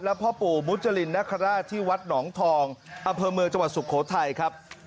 พ่อปู่มุจรินนคราชที่วัดหนองทองอำเภอเมืองจังหวัดสุโขทัยครับ